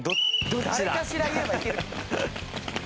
誰かしら言えばいける。